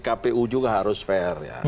kpu juga harus fair ya